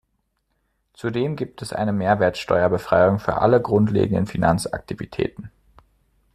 Zudem gibt es eine Mehrwertsteuer-Befreiung für alle grundlegenden Finanzaktivitäten.